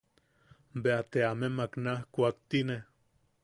Bea te amemak naj kuaktine.